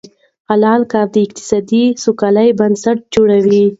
حلال کار د اقتصادي سوکالۍ بنسټ جوړوي.